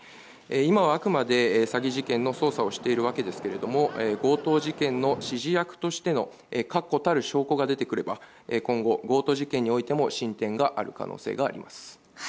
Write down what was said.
今はあくまで詐欺事件の捜査をしているわけですけども強盗事件の指示役としての確固たる証拠が出てくれば今後、強盗事件においても進展がある可能性があります。